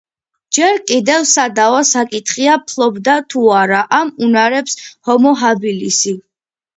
ჯერ კიდევ სადავო საკითხია ფლობდა თუ არა ამ უნარებს ჰომო ჰაბილისი.